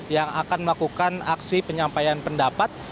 yang akan melakukan aksi penyampaian pendapat